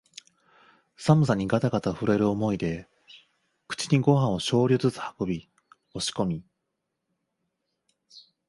寒さにがたがた震える思いで口にごはんを少量ずつ運び、押し込み、